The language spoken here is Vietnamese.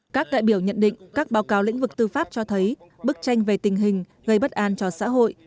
các đại biểu nhận định các báo cáo lĩnh vực tư pháp cho thấy bức tranh về tình hình gây bất an cho xã hội